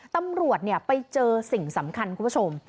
ตำรวจไปเจอสิ่งสำคัญคุณผู้ชม